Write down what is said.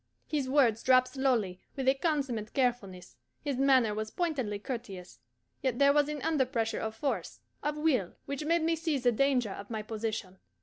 His words dropped slowly, with a consummate carefulness, his manner was pointedly courteous, yet there was an underpressure of force, of will, which made me see the danger of my position.